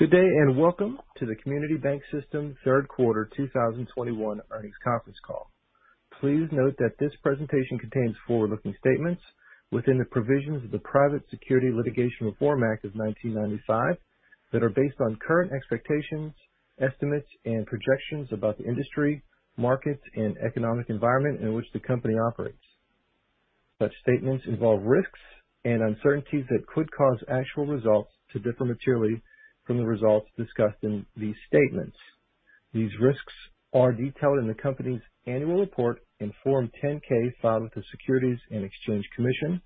Good day. Welcome to the Community Bank System third quarter 2021 earnings conference call. Please note that this presentation contains forward-looking statements within the provisions of the Private Securities Litigation Reform Act of 1995 that are based on current expectations, estimates, and projections about the industry, market, and economic environment in which the company operates. Such statements involve risks and uncertainties that could cause actual results to differ materially from the results discussed in these statements. These risks are detailed in the company's annual report in Form 10-K filed with the Securities and Exchange Commission.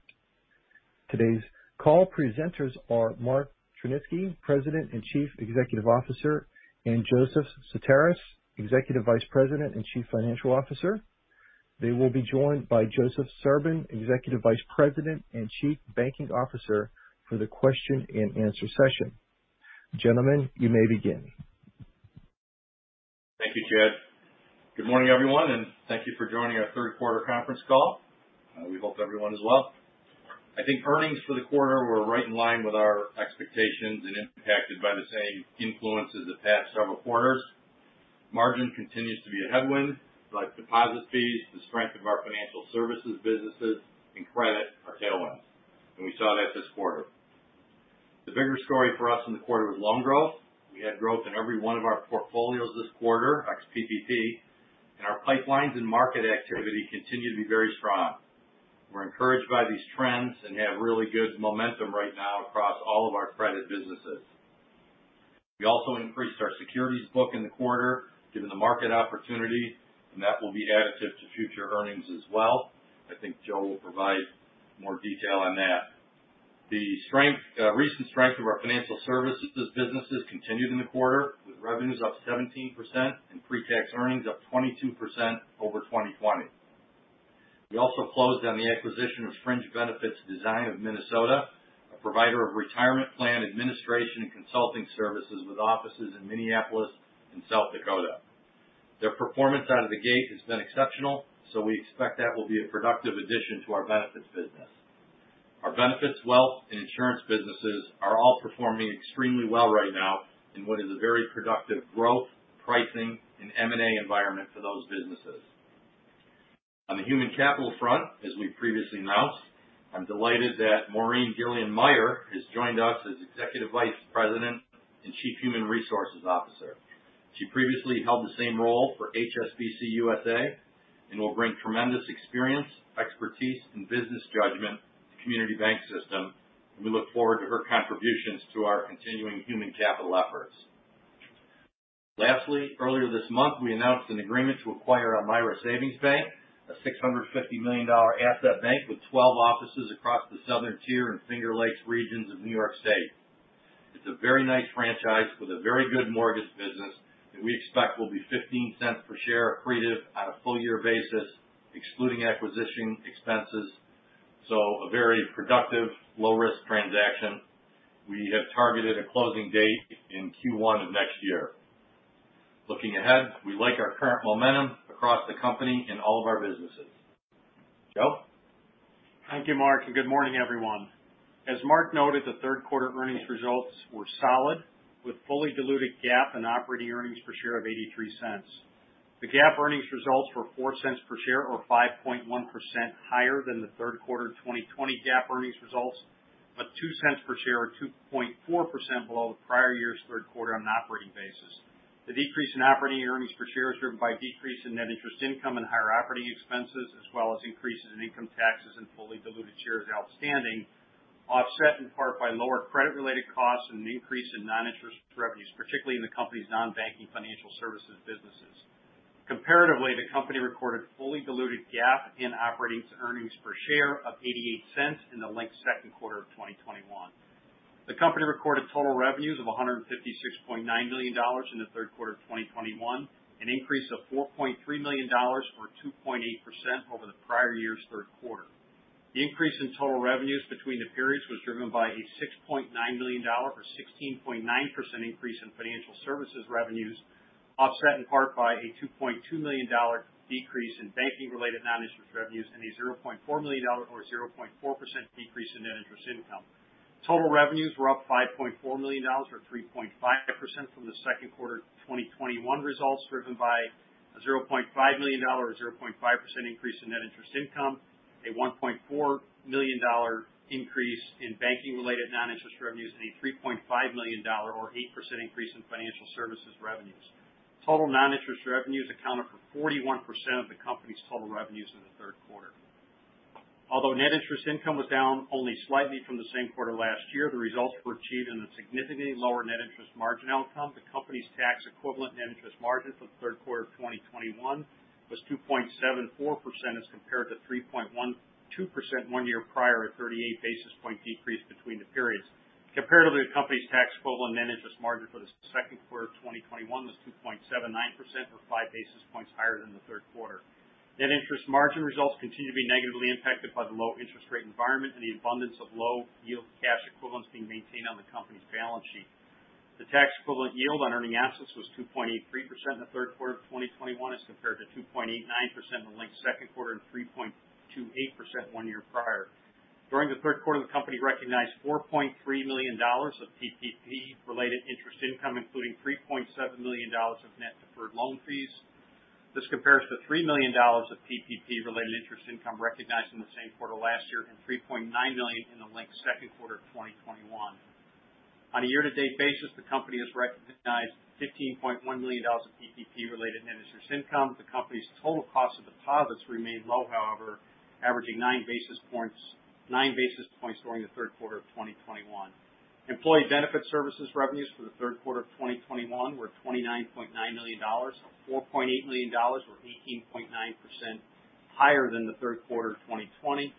Today's call presenters are Mark Tryniski, President and Chief Executive Officer, and Joseph Sutaris, Executive Vice President and Chief Financial Officer. They will be joined by Joseph Serbun, Executive Vice President and Chief Banking Officer for the question and answer session. Gentlemen, you may begin. Thank you, Chad. Good morning, everyone, and thank you for joining our third quarter conference call. We hope everyone is well. I think earnings for the quarter were right in line with our expectations and impacted by the same influences the past several quarters. Deposit fees, the strength of our financial services businesses, and credit are tailwinds, and we saw that this quarter. The bigger story for us in the quarter was loan growth. We had growth in every one of our portfolios this quarter, ex PPP, and our pipelines and market activity continue to be very strong. We're encouraged by these trends and have really good momentum right now across all of our credit businesses. We also increased our securities book in the quarter given the market opportunity, and that will be additive to future earnings as well. I think Joe will provide more detail on that. The recent strength of our financial services businesses continued in the quarter, with revenues up 17% and pre-tax earnings up 22% over 2020. We also closed on the acquisition of Fringe Benefits Design of Minnesota, a provider of retirement plan administration and consulting services with offices in Minneapolis and South Dakota. Their performance out of the gate has been exceptional, so we expect that will be a productive addition to our benefits business. Our benefits, wealth, and insurance businesses are all performing extremely well right now in what is a very productive growth, pricing, and M&A environment for those businesses. On the human capital front, as we previously announced, I'm delighted that Maureen Gillan-Myer has joined us as Executive Vice President and Chief Human Resources Officer. She previously held the same role for HSBC USA and will bring tremendous experience, expertise, and business judgment to Community Bank System, we look forward to her contributions to our continuing human capital efforts. Lastly, earlier this month, we announced an agreement to acquire Elmira Savings Bank, a $650 million asset bank with 12 offices across the Southern Tier and Finger Lakes regions of New York State. It's a very nice franchise with a very good mortgage business that we expect will be $0.15 per share accretive on a full year basis, excluding acquisition expenses. A very productive, low risk transaction. We have targeted a closing date in Q1 of next year. Looking ahead, we like our current momentum across the company in all of our businesses. Joe? Thank you, Mark, and good morning, everyone. As Mark noted, the third quarter earnings results were solid, with fully diluted GAAP and operating earnings per share of $0.83. The GAAP earnings results were $0.04 per share, or 5.1% higher than the third quarter 2020 GAAP earnings results, but $0.02 per share or 2.4% below the prior year's third quarter on an operating basis. The decrease in operating earnings per share is driven by a decrease in net interest income and higher operating expenses, as well as increases in income taxes and fully diluted shares outstanding, offset in part by lower credit related costs and an increase in non-interest revenues, particularly in the company's non-banking financial services businesses. Comparatively, the company recorded fully diluted GAAP and operating earnings per share of $0.88 in the linked second quarter of 2021. The company recorded total revenues of $156.9 million in the third quarter of 2021, an increase of $4.3 million, or 2.8%, over the prior year's third quarter. The increase in total revenues between the periods was driven by a $6.9 million, or 16.9%, increase in financial services revenues, offset in part by a $2.2 million decrease in banking-related non-interest revenues and a $0.4 million, or 0.4%, decrease in net interest income. Total revenues were up $5.4 million or 3.5% from the second quarter 2021 results, driven by a $0.5 million or 0.5% increase in net interest income, a $1.4 million increase in banking-related non-interest revenues, and a $3.5 million or 8% increase in financial services revenues. Total non-interest revenues accounted for 41% of the company's total revenues in the third quarter. Although net interest income was down only slightly from the same quarter last year, the results were achieved in a significantly lower net interest margin outcome. The company's tax equivalent net interest margin for the third quarter of 2021 was 2.74% as compared to 3.12% one year prior, a 38 basis point decrease between the periods. Comparatively, the company's tax equivalent net interest margin for the second quarter of 2021 was 2.79%, or 5 basis points higher than the third quarter. Net interest margin results continue to be negatively impacted by the low interest rate environment and the abundance of low yield cash equivalents being maintained on the company's balance sheet. The tax equivalent yield on earning assets was 2.83% in the third quarter of 2021, as compared to 2.89% in the linked second quarter and 3.28% one year prior. During the third quarter, the company recognized $4.3 million of PPP-related interest income, including $3.7 million of net deferred loan fees. This compares to $3 million of PPP-related interest income recognized in the same quarter last year and $3.9 million in the linked second quarter of 2021. On a year-to-date basis, the company has recognized $15.1 million of PPP-related net interest income. The company's total cost of deposits remained low, however, averaging 9 basis points during the third quarter of 2021. Employee benefit services revenues for the third quarter of 2021 were $29.9 million, or $4.8 million, or 18.9% higher than the third quarter of 2020.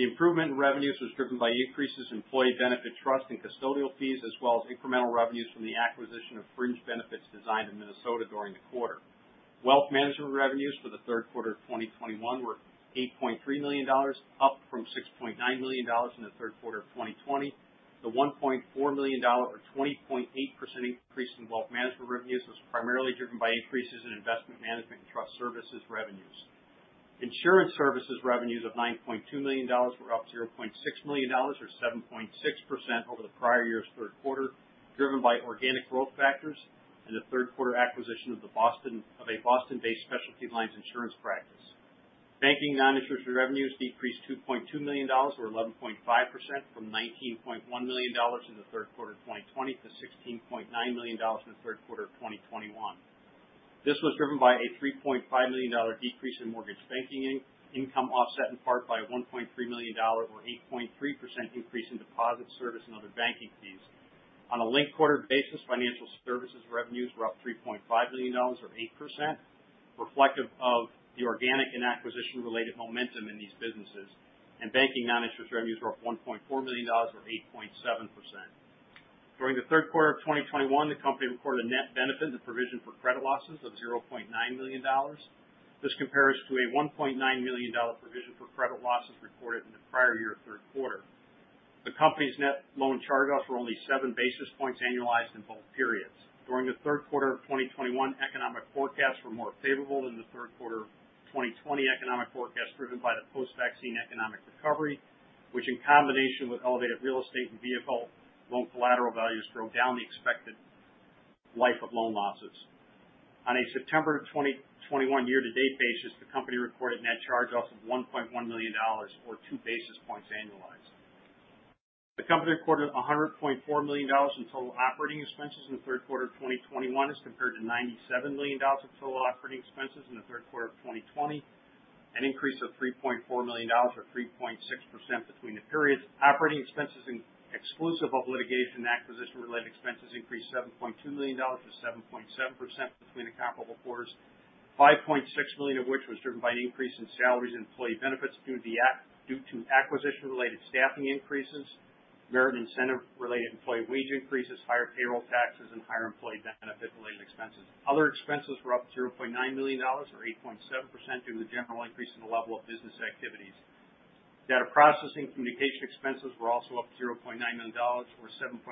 The improvement in revenues was driven by increases in employee benefit trust and custodial fees, as well as incremental revenues from the acquisition of Fringe Benefits Design in Minnesota during the quarter. Wealth management revenues for the third quarter of 2021 were $8.3 million, up from $6.9 million in the third quarter of 2020. The $1.4 million or 20.8% increase in wealth management revenues was primarily driven by increases in investment management and trust services revenues. Insurance services revenues of $9.2 million were up $0.6 million or 7.6% over the prior year's third quarter, driven by organic growth factors and the third quarter acquisition of a Boston-based specialty lines insurance practice. Banking non-interest revenues decreased $2.2 million or 11.5% from $19.1 million in the third quarter of 2020 to $16.9 million in the third quarter of 2021. This was driven by a $3.5 million decrease in mortgage banking income, offset in part by a $1.3 million or 8.3% increase in deposit service and other banking fees. On a linked quarter basis, financial services revenues were up $3.5 million or 8%, reflective of the organic and acquisition related momentum in these businesses. Banking non-interest revenues were up $1.4 million or 8.7%. During the third quarter of 2021, the company recorded a net benefit in the provision for credit losses of $0.9 million. This compares to a $1.9 million provision for credit losses reported in the prior year third quarter. The company's net loan charge-offs were only seven basis points annualized in both periods. During the third quarter of 2021, economic forecasts were more favorable than the third quarter of 2020 economic forecasts driven by the post-vaccine economic recovery, which in combination with elevated real estate and vehicle loan collateral values drove down the expected life of loan losses. On a September 2021 year-to-date basis, the company reported net charge-offs of $1.1 million or 2 basis points annualized. The company recorded $100.4 million in total operating expenses in the third quarter of 2021 as compared to $97 million of total operating expenses in the third quarter of 2020, an increase of $3.4 million or 3.6% between the periods. Operating expenses exclusive of litigation and acquisition related expenses increased $7.2 million or 7.7% between the comparable quarters, $5.6 million of which was driven by an increase in salaries and employee benefits due to acquisition related staffing increases, merit incentive related employee wage increases, higher payroll taxes, and higher employee benefit related expenses. Other expenses were up $0.9 million or 8.7% due to the general increase in the level of business activities. Data processing communication expenses were also up $0.9 million or 7.2%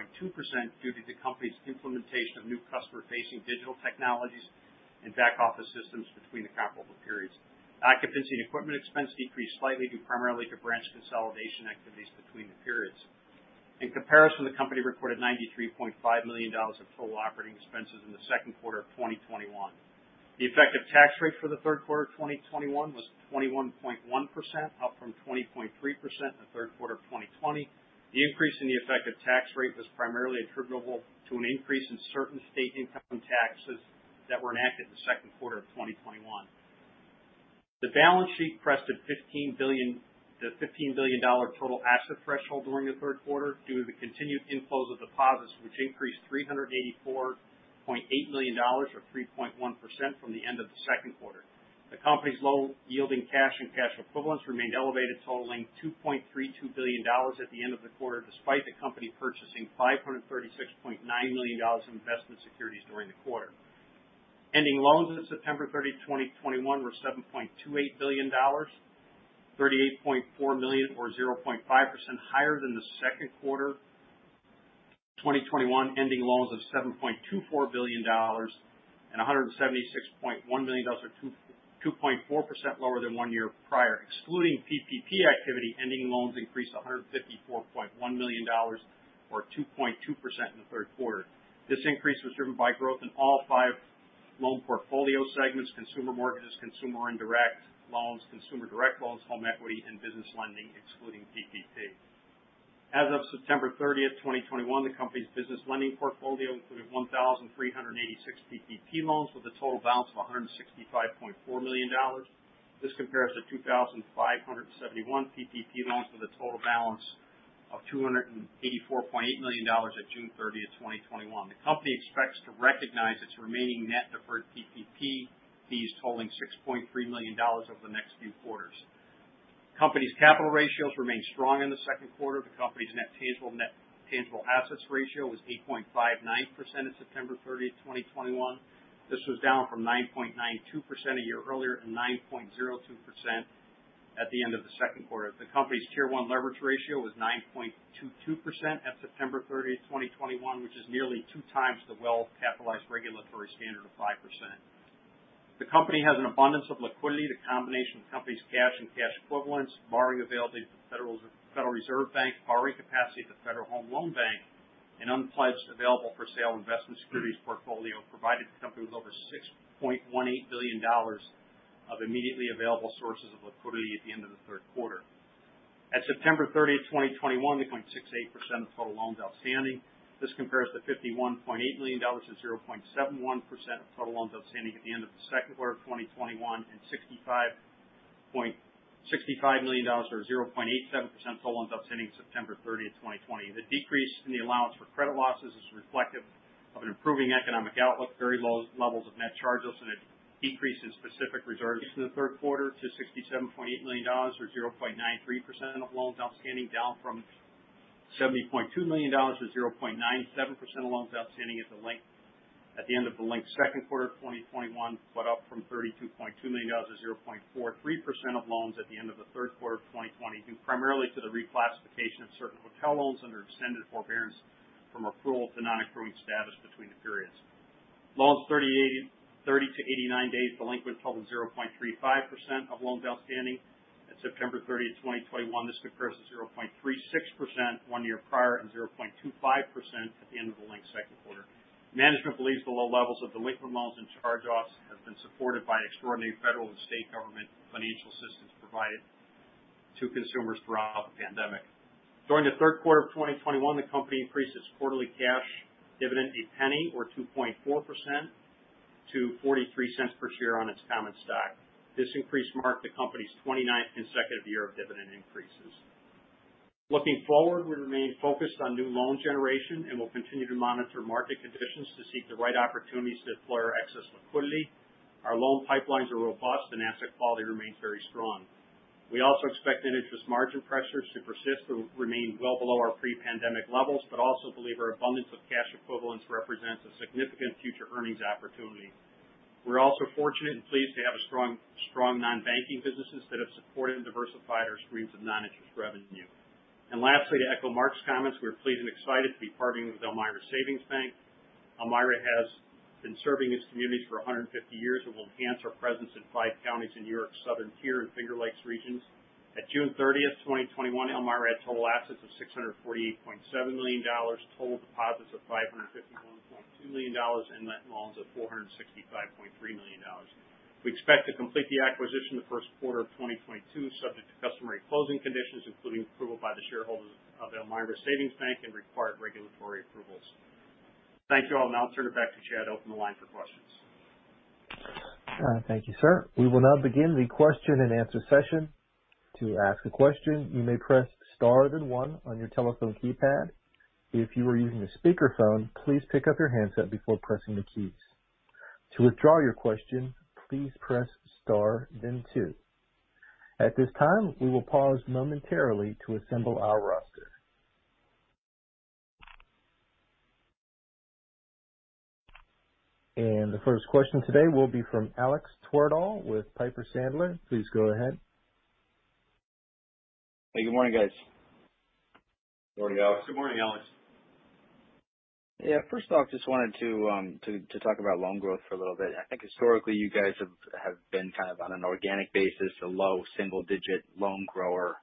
due to the company's implementation of new customer facing digital technologies and back office systems between the comparable periods. Occupancy and equipment expense decreased slightly due primarily to branch consolidation activities between the periods. In comparison, the company reported $93.5 million of total operating expenses in the second quarter of 2021. The effective tax rate for the third quarter of 2021 was 21.1%, up from 20.3% in the third quarter of 2020. The increase in the effective tax rate was primarily attributable to an increase in certain state income taxes that were enacted in the second quarter of 2021. The balance sheet pressed the $15 billion total asset threshold during the third quarter due to the continued inflows of deposits, which increased $384.8 million or 3.1% from the end of the second quarter. The company's low yielding cash and cash equivalents remained elevated, totaling $2.32 billion at the end of the quarter, despite the company purchasing $536.9 million in investment securities during the quarter. Ending loans as of September 30, 2021 were $7.28 billion, $38.4 million or 0.5% higher than the second quarter 2021 ending loans of $7.24 billion and $176.1 million or 2.4% lower than one year prior. Excluding PPP activity, ending loans increased $154.1 million or 2.2% in the third quarter. This increase was driven by growth in all five loan portfolio segments, consumer mortgages, consumer indirect loans, consumer direct loans, home equity, and business lending, excluding PPP. As of September 30th, 2021, the company's business lending portfolio included 1,386 PPP loans with a total balance of $165.4 million. This compares to 2,571 PPP loans with a total balance of $284.8 million at June 30th, 2021. The company expects to recognize its remaining net deferred PPP fees totaling $6.3 million over the next few quarters. Company's capital ratios remained strong in the second quarter. The company's net tangible assets ratio was 8.59% as of September 30th, 2021. This was down from 9.92% a year earlier and 9.02% at the end of the second quarter. The company's Tier 1 leverage ratio was 9.22% at September 30th, 2021, which is nearly two times the well-capitalized regulatory standard of 5%. The company has an abundance of liquidity. The combination of the company's cash and cash equivalents, borrowing availability at the Federal Reserve Bank, borrowing capacity at the Federal Home Loan Bank, an unpledged available-for-sale investment securities portfolio provided the company with over $6.18 billion of immediately available sources of liquidity at the end of the third quarter. At September 30th, 2021, 2.68% of total loans outstanding. This compares to $51.8 million or 0.71% of total loans outstanding at the end of the second quarter of 2021 and $65 million or 0.87% of total loans outstanding September 30th, 2020. The decrease in the allowance for credit losses is reflective of an improving economic outlook, very low levels of net charge-offs and a decrease in specific reserves in the third quarter to $67.8 million or 0.93% of loans outstanding, down from $70.2 million or 0.97% of loans outstanding at the end of the linked second quarter 2021, but up from $32.2 million or 0.43% of loans at the end of the third quarter of 2020, due primarily to the reclassification of certain hotel loans under extended forbearance from accrual to non-accruing status between the periods. Loans 30 to 89 days delinquent totaled 0.35% of loans outstanding at September 30th, 2021. This compares to 0.36% one year prior and 0.25% at the end of the linked second quarter. Management believes the low levels of delinquent loans and charge-offs have been supported by extraordinary Federal and state government financial assistance provided to consumers throughout the pandemic. During the third quarter of 2021, the company increased its quarterly cash dividend $0.01 or 2.4% to $0.43 per share on its common stock. This increase marked the company's 29th consecutive year of dividend increases. Looking forward, we remain focused on new loan generation and will continue to monitor market conditions to seek the right opportunities to deploy our excess liquidity. Our loan pipelines are robust and asset quality remains very strong. We also expect net interest margin pressures to persist to remain well below our pre-pandemic levels, but also believe our abundance of cash equivalents represents a significant future earnings opportunity. We're also fortunate and pleased to have strong non-banking businesses that have supported and diversified our streams of non-interest revenue. Lastly, to echo Mark's comments, we're pleased and excited to be partnering with Elmira Savings Bank. Elmira has been serving its communities for 150 years and will enhance our presence in five counties in N.Y.'s Southern Tier and Finger Lakes regions. At June 30th, 2021, Elmira had total assets of $648.7 million, total deposits of $551.2 million, and net loans of $465.3 million. We expect to complete the acquisition in the first quarter of 2022, subject to customary closing conditions, including approval by the shareholders of Elmira Savings Bank and required regulatory approvals. Thank you all. I'll turn it back to Chad to open the line for questions. Thank you, sir. We will now begin the question and answer session. To ask a question, you may press star then one on your telephone keypad. If you are using a speakerphone, please pick up your handset before pressing the keys. To withdraw your question, please press star then two. At this time, we will pause momentarily to assemble our roster. The first question today will be from Alex Twerdahl with Piper Sandler. Please go ahead. Hey, good morning, guys. Morning, Alex. Good morning, Alex. Yeah. First off, just wanted to talk about loan growth for a little bit. I think historically you guys have been kind of on an organic basis, a low-single-digit loan grower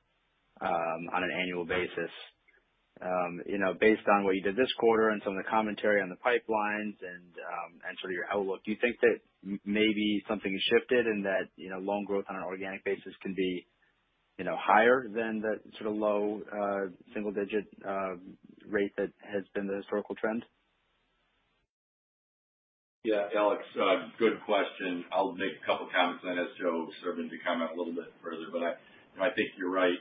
on an annual basis. Based on what you did this quarter and some of the commentary on the pipelines and sort of your outlook, do you think that maybe something has shifted and that loan growth on an organic basis can be higher than the sort of low single-digit rate that has been the historical trend? Yeah, Alex. Good question. I'll make a couple comments then ask Joe sort of to comment a little bit further. I think you're right.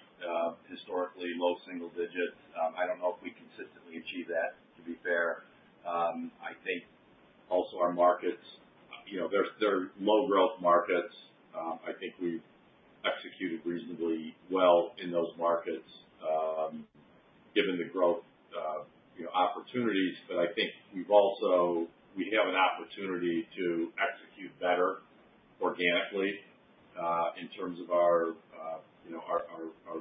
Historically low-single-digit. I don't know if we consistently achieve that, to be fair. I think also our markets, they're low growth markets. I think we've executed reasonably well in those markets given the growth opportunities. I think we have an opportunity to execute better organically in terms of our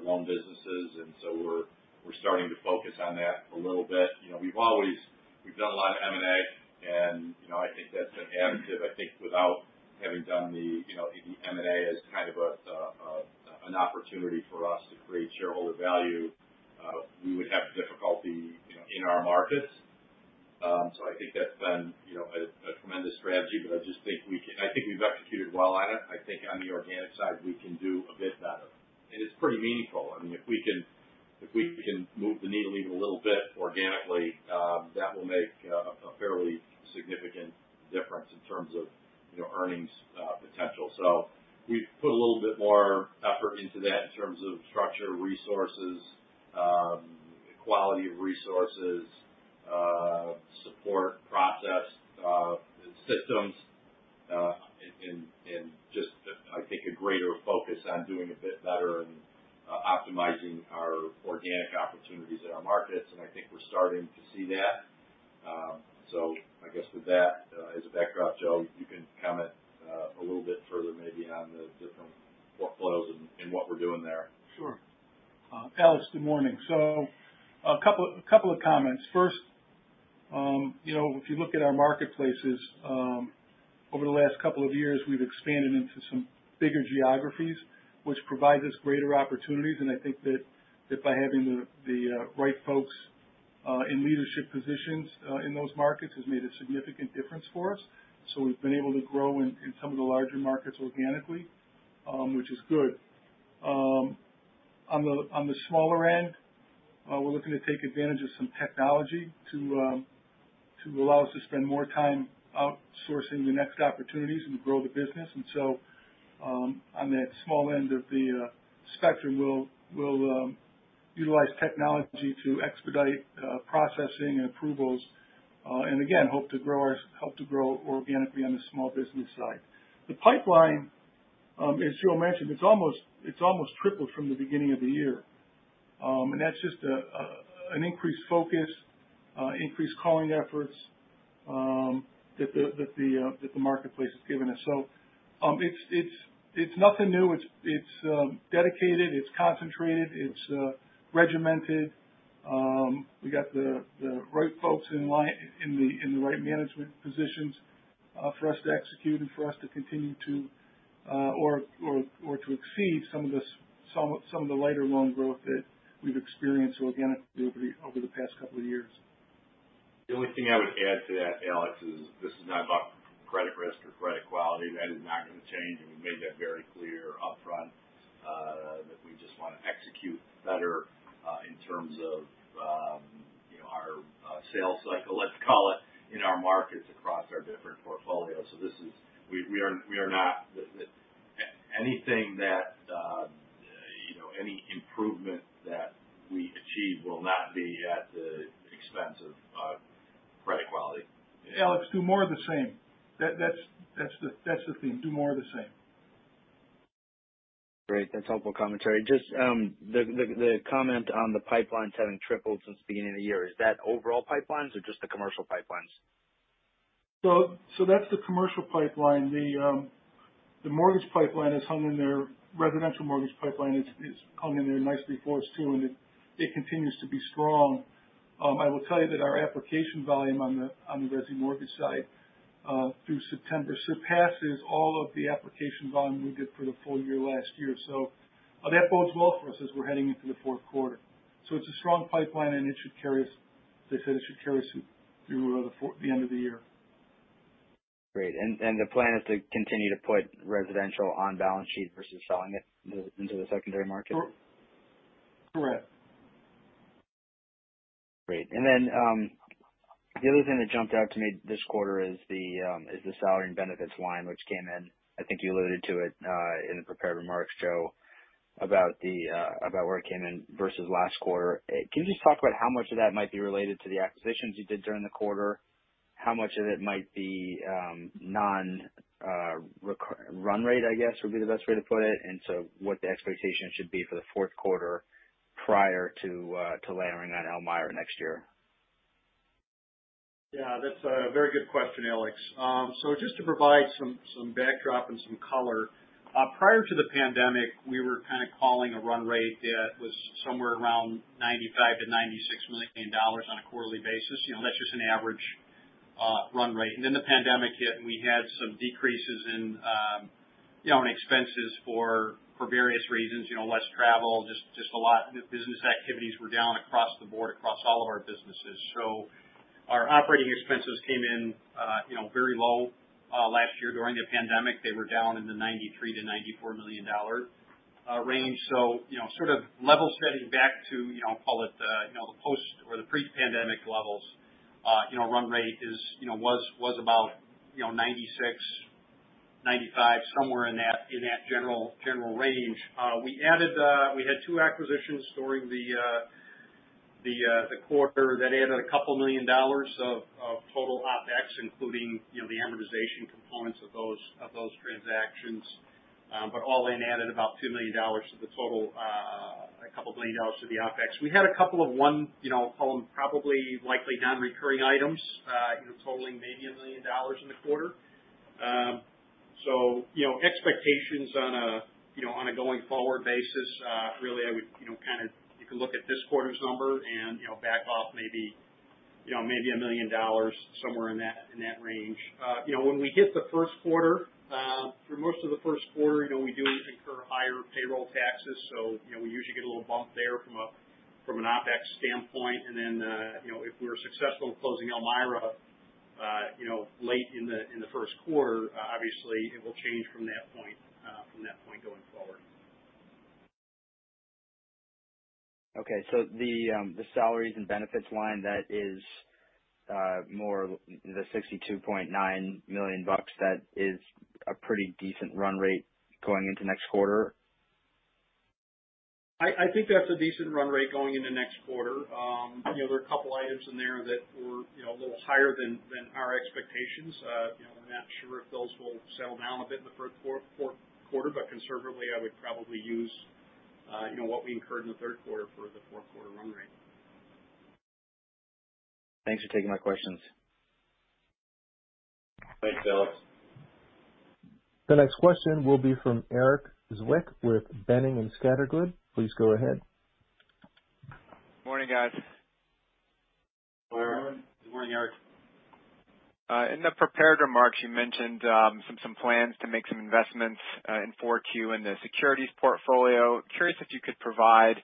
loan businesses, and so we're starting to focus on that a little bit. We've done a lot of M&A, and I think that's an additive. I think without having done the M&A as kind of an opportunity for us to create shareholder value, we would have difficulty in our markets. I think that's been a tremendous strategy, but I think we've executed well on it. I think on the organic side, we can do a bit better, and it's pretty meaningful. If we can move the needle even a little bit organically, that will make a fairly significant difference in terms of earnings potential. We've put a little bit more effort into that in terms of structure, resources, quality of resources, support process, systems, and just, I think a greater focus on doing a bit better and optimizing our organic opportunities in our markets. I think we're starting to see that. I guess with that as a backdrop, Joe, you can comment a little bit further maybe on the different workflows and what we're doing there. Sure. Alex, good morning. A couple of comments. First, if you look at our marketplaces. Over the last couple of years, we've expanded into some bigger geographies, which provides us greater opportunities. I think that by having the right folks in leadership positions in those markets has made a significant difference for us. We've been able to grow in some of the larger markets organically, which is good. On the smaller end, we're looking to take advantage of some technology to allow us to spend more time outsourcing the next opportunities and grow the business. On that small end of the spectrum, we'll utilize technology to expedite processing and approvals. Again, hope to grow organically on the small business side. The pipeline, as Joe mentioned, it's almost tripled from the beginning of the year. That's just an increased focus, increased calling efforts, that the marketplace has given us. It's nothing new. It's dedicated, it's concentrated, it's regimented. We got the right folks in the right management positions for us to execute and for us to continue to or to exceed some of the lighter loan growth that we've experienced organically over the past couple of years. The only thing I would add to that, Alex, is this is not about credit risk or credit quality. That is not going to change, and we made that very clear upfront. That we just want to execute better, in terms of our sales cycle, let's call it, in our markets across our different portfolios. Anything that, any improvement that we achieve will not be at the expense of credit quality. Alex, do more of the same. That's the thing. Do more of the same. Great. That's helpful commentary. Just the comment on the pipelines having tripled since the beginning of the year. Is that overall pipelines or just the commercial pipelines? That's the commercial pipeline. The mortgage pipeline is hung in there. Residential mortgage pipeline is hung in there nicely for us too, and it continues to be strong. I will tell you that our application volume on the resi mortgage side, through September, surpasses all of the applications volume we did for the full year last year. That bodes well for us as we're heading into the fourth quarter. It's a strong pipeline, and as I said, it should carry us through the end of the year. Great. The plan is to continue to put residential on balance sheet versus selling it into the secondary market? Correct. Great. The other thing that jumped out to me this quarter is the salary and benefits line, which came in. I think you alluded to it, in the prepared remarks, Joe, about where it came in versus last quarter. Can you just talk about how much of that might be related to the acquisitions you did during the quarter, how much of it might be non-run rate, I guess, would be the best way to put it? What the expectation should be for the fourth quarter prior to layering on Elmira Savings Bank next year. Yeah, that's a very good question, Alex. Just to provide some backdrop and some color. Prior to the pandemic, we were kind of calling a run rate that was somewhere around $95 million-$96 million on a quarterly basis. That's just an average run rate. The pandemic hit, and we had some decreases in expenses for various reasons, less travel. Business activities were down across the board, across all of our businesses. Our operating expenses came in very low last year during the pandemic. They were down in the $93 million-$94 million range. Sort of level setting back to call it the post or the pre-pandemic levels. Run rate was about $96 million, $95 million, somewhere in that general range. We had two acquisitions during the quarter that added a couple million dollars of total OpEx, including the amortization components of those transactions. All in added about $2 million to the OpEx. We had a couple of one, I'll call them probably likely non-recurring items, totaling maybe $1 million in the quarter. Expectations on a going forward basis, really, you can look at this quarter's number and back off maybe $1 million, somewhere in that range. When we hit the first quarter, through most of the first quarter, we do incur higher payroll taxes. We usually get a little bump there from an OpEx standpoint. If we're successful in closing Elmira late in the first quarter, obviously it will change from that point going forward. Okay. The salaries and benefits line, the $62.9 million, that is a pretty decent run rate going into next quarter? I think that's a decent run rate going into next quarter. There are a couple items in there that were a little higher than our expectations. I'm not sure if those will settle down a bit in the fourth quarter. Conservatively, I would probably use what we incurred in the third quarter for the fourth quarter run rate. Thanks for taking my questions. Thanks, Alexander. The next question will be from Erik Zwick with Boenning & Scattergood. Please go ahead. Morning, guys. Hello, everyone. Good morning, Erik. In the prepared remarks, you mentioned some plans to make some investments in 4Q in the securities portfolio. Curious if you could provide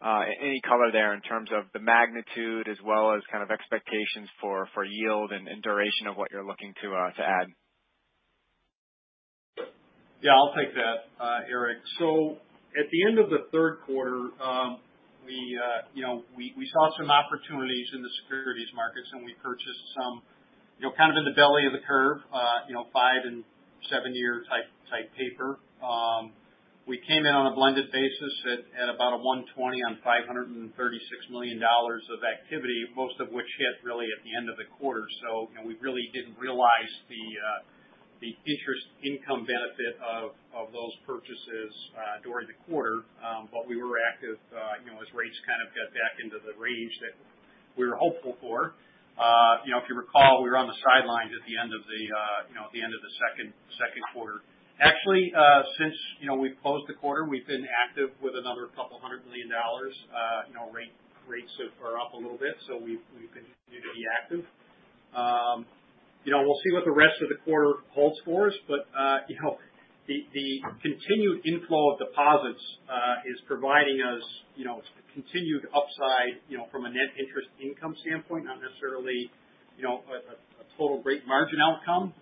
any color there in terms of the magnitude as well as expectations for yield and duration of what you're looking to add? I'll take that, Erik. At the end of the third quarter, we saw some opportunities in the securities markets, and we purchased some, kind of in the belly of the curve, five and seven-year type paper. We came in on a blended basis at about a 120 on $536 million of activity, most of which hit really at the end of the quarter. We really didn't realize the interest income benefit of those purchases during the quarter. We were active as rates kind of got back into the range that we were hopeful for. If you recall, we were on the sidelines at the end of the second quarter. Actually, since we've closed the quarter, we've been active with another $200 million. Rates are up a little bit, we continue to be active. We'll see what the rest of the quarter holds for us. The continued inflow of deposits is providing us continued upside from a net interest income standpoint, not necessarily a total rate margin outcome.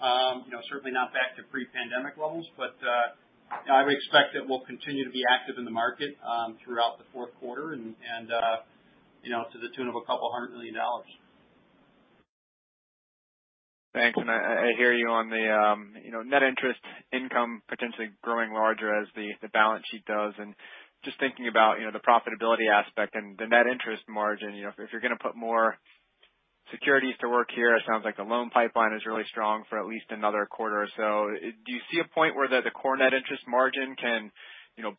Certainly not back to pre-pandemic levels. I would expect that we'll continue to be active in the market throughout the fourth quarter and to the tune of $200 million. Thanks. I hear you on the net interest income potentially growing larger as the balance sheet does. Just thinking about the profitability aspect and the net interest margin. If you're going to put more securities to work here, it sounds like the loan pipeline is really strong for at least another quarter or so. Do you see a point where the core net interest margin can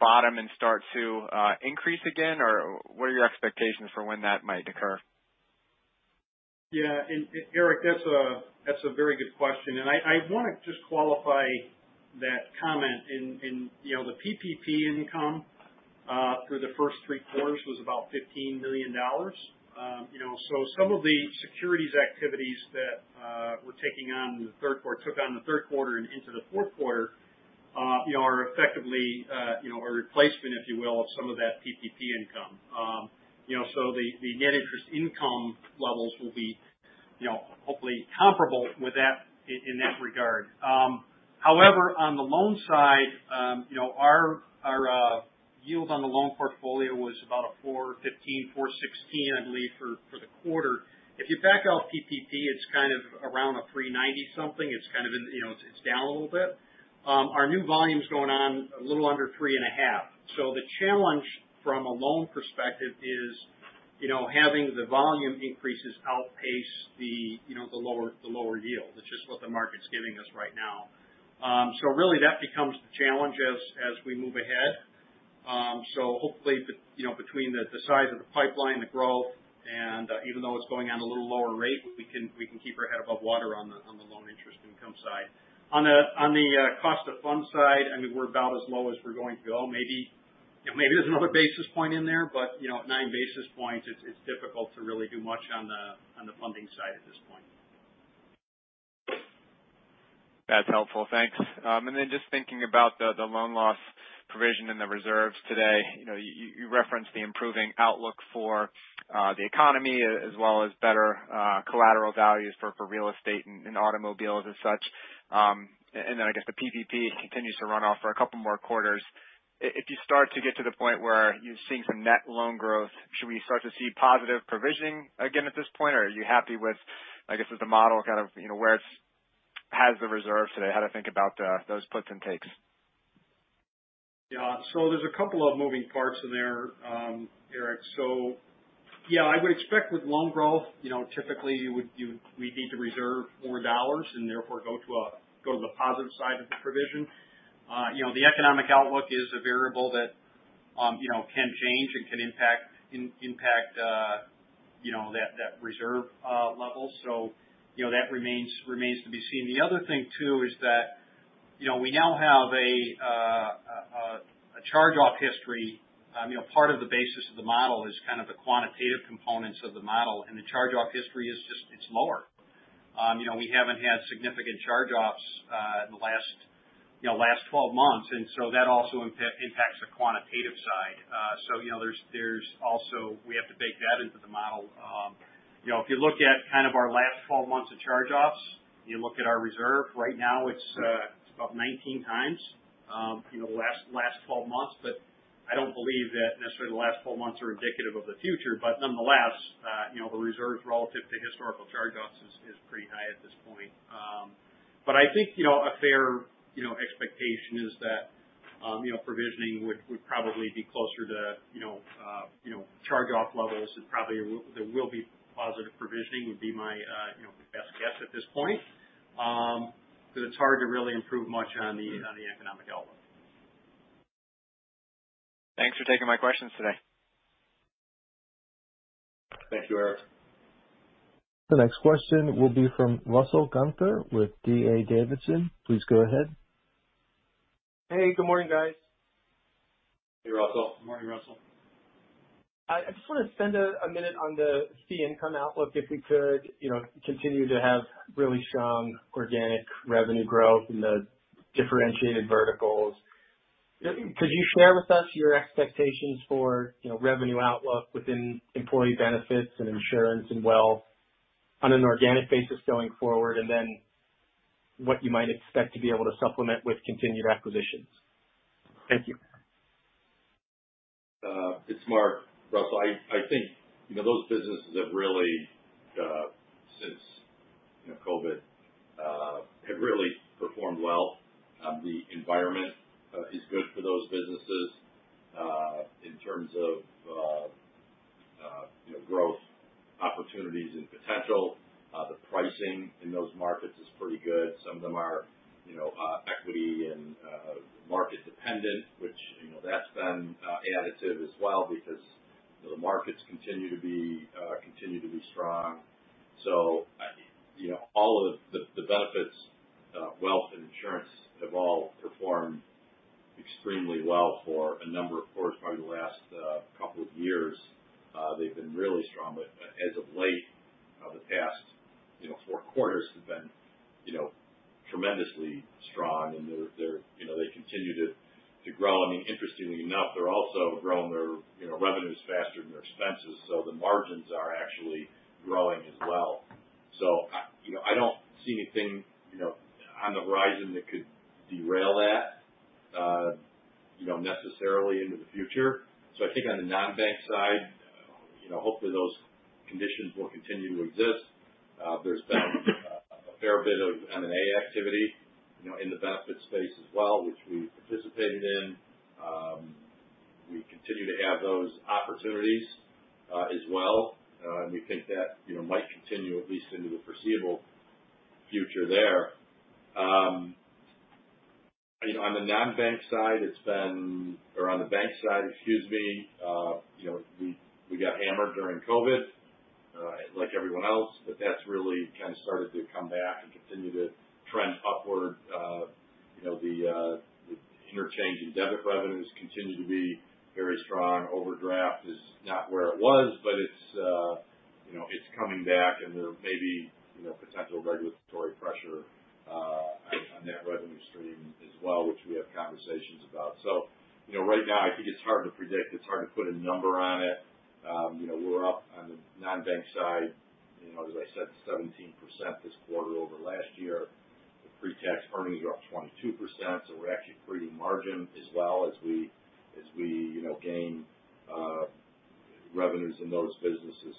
bottom and start to increase again, or what are your expectations for when that might occur? Erik, that's a very good question. I want to just qualify that comment. The PPP income through the first three quarters was about $15 million. Some of the securities activities that we're taking on the third quarter, took on the third quarter and into the fourth quarter are effectively a replacement, if you will, of some of that PPP income. The net interest income levels will be hopefully comparable with that in that regard. However, on the loan side, our yield on the loan portfolio was about a 415, 416, I believe, for the quarter. If you back out PPP, it's kind of around a 390-something. It's down a little bit. Our new volume is going on a little under three and a half. The challenge from a loan perspective is having the volume increases outpace the lower yield. It's just what the market's giving us right now. Really, that becomes the challenge as we move ahead. Hopefully, between the size of the pipeline, the growth, and even though it's going at a little lower rate, we can keep our head above water on the loan interest income side. On the cost of funds side, we're about as low as we're going to go. Maybe there's another basis point in there, but at 9 basis points, it's difficult to really do much on the funding side at this point. That's helpful. Thanks. Just thinking about the loan loss provision in the reserves today. You referenced the improving outlook for the economy as well as better collateral values for real estate and automobiles and such. I guess the PPP continues to run off for a couple more quarters. If you start to get to the point where you're seeing some net loan growth, should we start to see positive provisioning again at this point, or are you happy with the model, kind of where it has the reserve today? How to think about those puts and takes. Yeah. There's a couple of moving parts in there, Erik. Yeah, I would expect with loan growth, typically we'd need to reserve more dollars and therefore go to the positive side of the provision. The economic outlook is a variable that can change and can impact that reserve level. That remains to be seen. The other thing, too, is that we now have a charge-off history. Part of the basis of the model is kind of the quantitative components of the model, and the charge-off history is just, it's lower. We haven't had significant charge-offs in the last 12 months. That also impacts the quantitative side. There's also, we have to bake that into the model. If you look at kind of our last 12 months of charge-offs, you look at our reserve right now, it's about 19 times the last 12 months. I don't believe that necessarily the last 12 months are indicative of the future. Nonetheless, the reserves relative to historical charge-offs is pretty high at this point. I think a fair expectation is that provisioning would probably be closer to charge-off levels, and probably there will be positive provisioning, would be my best guess at this point. It's hard to really improve much on the economic outlook. Thanks for taking my questions today. Thank you, Erik. The next question will be from Russell Gunther with D.A. Davidson. Please go ahead. Hey, good morning, guys. Hey, Russell. Good morning, Russell. I just want to spend a minute on the fee income outlook, if we could. Continue to have really strong organic revenue growth in the differentiated verticals. Could you share with us your expectations for revenue outlook within employee benefits and insurance and wealth on an organic basis going forward, and then what you might expect to be able to supplement with continued acquisitions? Thank you. It's Mark. Russell, I think those businesses have really, since COVID, have really performed well. The environment is good for those businesses, in terms of growth opportunities and potential. The pricing in those markets is pretty good. Some of them are equity and market dependent, which that's been additive as well because the markets continue to be strong. All of the benefits, wealth and insurance have all performed extremely well for a number of quarters. Probably the last couple of years they've been really strong. As of late, the past four quarters have been tremendously strong. They continue to grow. Interestingly enough, they're also growing their revenues faster than their expenses, so the margins are actually growing as well. I don't see anything on the horizon that could derail that necessarily into the future. I think on the non-bank side, hopefully those conditions will continue to exist. There's been a fair bit of M&A activity in the benefits space as well, which we've participated in. We continue to have those opportunities as well. We think that might continue at least into the foreseeable future there. On the bank side, we got hammered during COVID, like everyone else, but that's really kind of started to come back and continue to trend upward. The interchange and debit revenues continue to be very strong. Overdraft is not where it was, but it's coming back and there may be potential regulatory pressure on that revenue stream as well, which we have conversations about. Right now, I think it's hard to predict. It's hard to put a number on it. We're up on the non-bank side, as I said, 17% this quarter over last year. The pre-tax earnings are up 22%, so we're actually improving margin as well as we gain revenues in those businesses.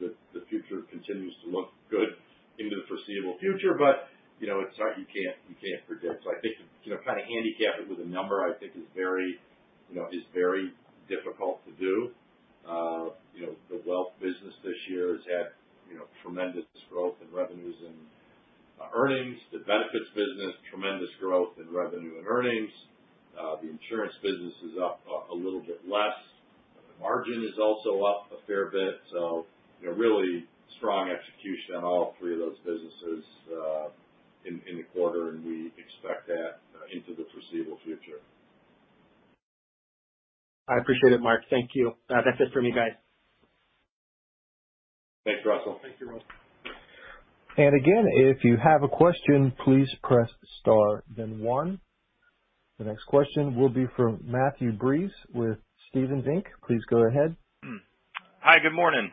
The future continues to look good into the foreseeable future. You can't predict. I think to kind of handicap it with a number I think is very difficult to do. The wealth business this year has had tremendous growth in revenues and earnings. The benefits business, tremendous growth in revenue and earnings. The insurance business is up a little bit less. Margin is also up a fair bit. Really strong execution in all three of those businesses in the quarter, and we expect that into the foreseeable future. I appreciate it, Mark. Thank you. That's it for me, guys. Thanks, Russell. Thank you, Russell. Again, if you have a question, please press star then one. The next question will be from Matthew Breese with Stephens Inc. Please go ahead. Hi. Good morning.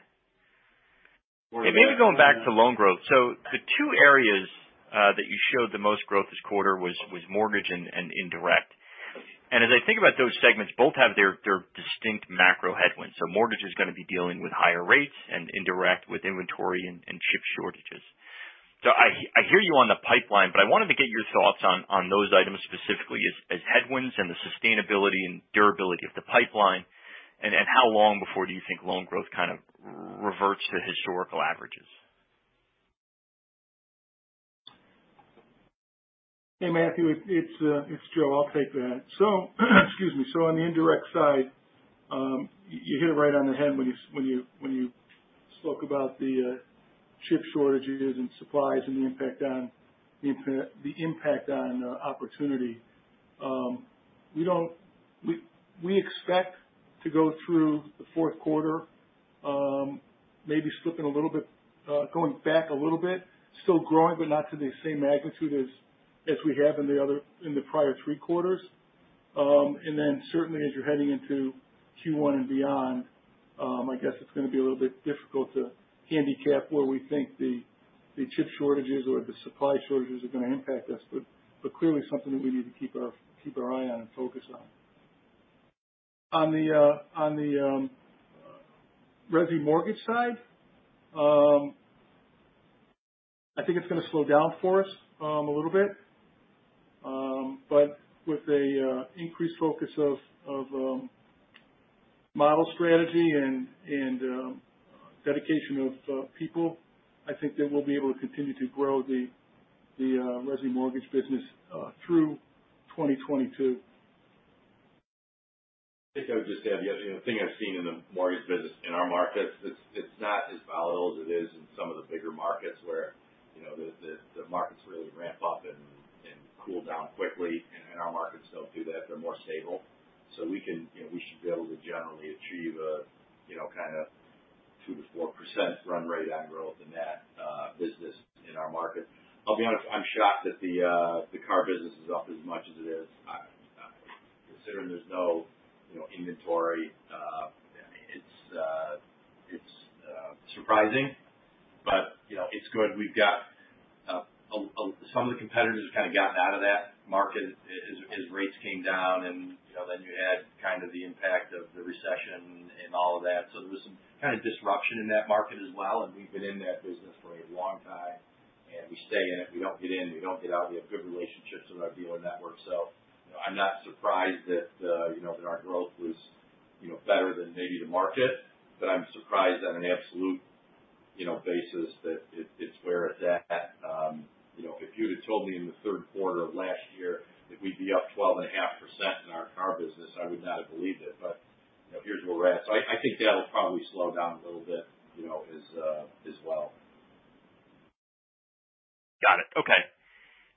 Morning, Matthew. Maybe going back to loan growth. The two areas that you showed the most growth this quarter was mortgage and indirect. As I think about those segments, both have their distinct macro headwinds. Mortgage is going to be dealing with higher rates and indirect with inventory and chip shortages. I hear you on the pipeline, but I wanted to get your thoughts on those items specifically as headwinds and the sustainability and durability of the pipeline, and how long before do you think loan growth kind of reverts to historical averages? Hey, Matthew, it's Joe. I'll take that. Excuse me. On the indirect side, you hit it right on the head when you spoke about the chip shortages and supplies and the impact on opportunity. We expect to go through the fourth quarter, maybe going back a little bit. Still growing, but not to the same magnitude as we have in the prior three quarters. Certainly as you're heading into Q1 and beyond, I guess it's going to be a little bit difficult to handicap where we think the chip shortages or the supply shortages are going to impact us. Clearly something that we need to keep our eye on and focus on. On the resi mortgage side, I think it's going to slow down for us a little bit. With an increased focus of model strategy and dedication of people, I think that we'll be able to continue to grow the resi mortgage business through 2022. I think I would just add, the other thing I've seen in the mortgage business in our markets, it's not as volatile as it is in some of the bigger markets where the markets really ramp up and cool down quickly. In our markets, they'll do that, they're more stable. We should be able to generally achieve a kind of 2%-4% run rate on growth in that business in our markets. I'll be honest, I'm shocked that the car business is up as much as it is. Considering there's no inventory, it's surprising, but it's good. Some of the competitors kind of gotten out of that market as rates came down, and then you had kind of the impact of the recession and all of that. There was some kind of disruption in that market as well. We've been in that business for a long time. We stay in it. We don't get in, we don't get out. We have good relationships with our dealer network. I'm not surprised that our growth was better than maybe the market, but I'm surprised on an absolute basis that it's where it's at. If you'd have told me in the third quarter of last year that we'd be up 12.5% in our car business, I would not have believed it. Here's where we're at. I think that'll probably slow down a little bit as well. Got it. Okay.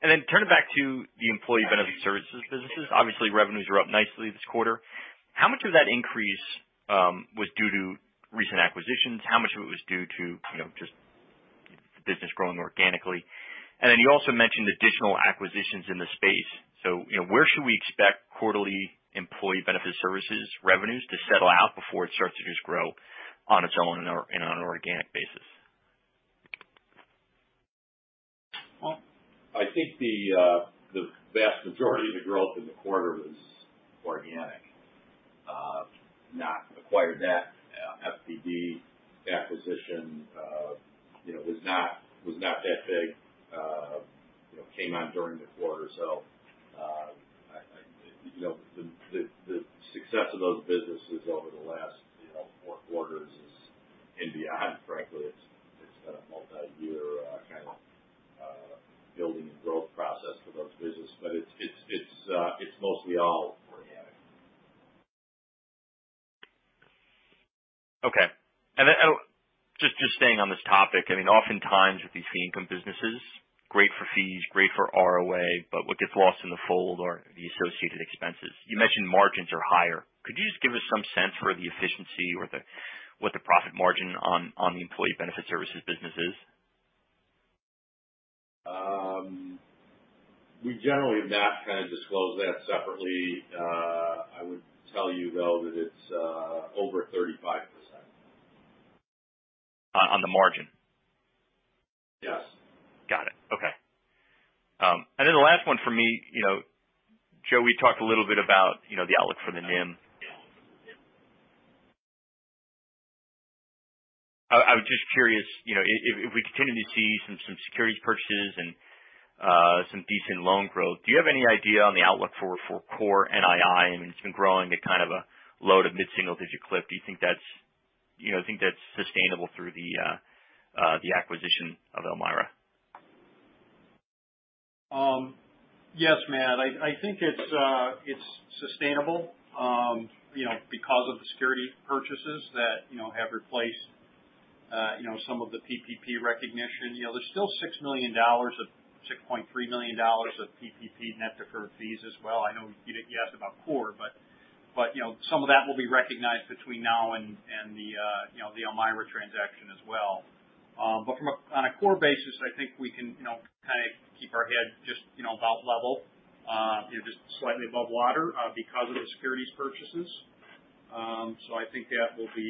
Turning back to the employee benefit services businesses. Obviously, revenues are up nicely this quarter. How much of that increase was due to recent acquisitions? How much of it was due to just the business growing organically? You also mentioned additional acquisitions in the space. Where should we expect quarterly employee benefit services revenues to settle out before it starts to just grow on its own and on an organic basis? I think the vast majority of the growth in the quarter was organic. Not acquired that. FBD acquisition was not that big. Came on during the quarter. I think the success of those businesses over the last four quarters is, and beyond, frankly, it's been a multi-year kind of building and growth process for those businesses. It's mostly all organic. Okay. Just staying on this topic. Oftentimes with these fee income businesses, great for fees, great for ROA, but what gets lost in the fold are the associated expenses. You mentioned margins are higher. Could you just give us some sense for the efficiency or what the profit margin on the employee benefit services business is? We generally have not kind of disclosed that separately. I would tell you, though, that it's over 35%. On the margin? Yes. Got it. Okay. The last one for me. Joe, we talked a little bit about the outlook for the NIM. I was just curious, if we continue to see some securities purchases and some decent loan growth, do you have any idea on the outlook for core NII? I mean, it's been growing at kind of a low to mid-single digit clip. Do you think that's sustainable through the acquisition of Elmira? Yes, Matt, I think it's sustainable because of the security purchases that have replaced some of the PPP recognition. There's still $6.3 million of PPP net deferred fees as well. I know you asked about core, some of that will be recognized between now and the Elmira Savings Bank transaction as well. On a core basis, I think we can kind of keep our head just about level, just slightly above water because of the securities purchases. I think that will be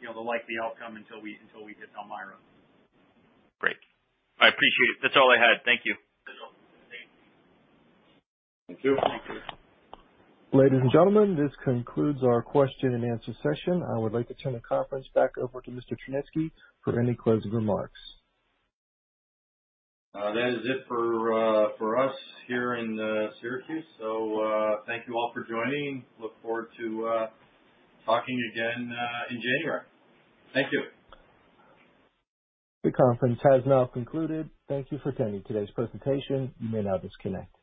the likely outcome until we hit Elmira Savings Bank. Great. I appreciate it. That's all I had. Thank you. That's all. Thank you. Thank you. Ladies and gentlemen, this concludes our question and answer session. I would like to turn the conference back over to Mr. Tryniski for any closing remarks. That is it for us here in Syracuse. Thank you all for joining. Look forward to talking again in January. Thank you. The conference has now concluded. Thank you for attending today's presentation. You may now disconnect.